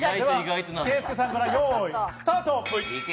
圭祐さんからよい、スタート！